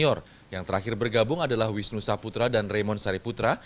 senior yang terakhir bergabung adalah wisnu saputra dan raymond sariputra